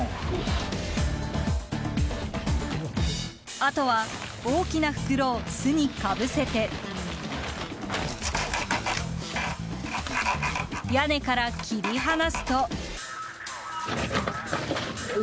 あとは大きな袋を巣にかぶせて屋根から切り離すと。